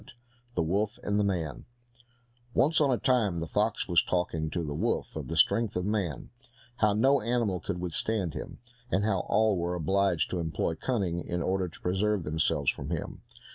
72 The Wolf and the Man Once on a time the fox was talking to the wolf of the strength of man; how no animal could withstand him, and how all were obliged to employ cunning in order to preserve themselves from him.